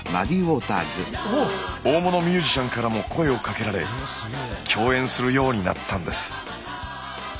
大物ミュージシャンからも声をかけられ共演するようになったんです。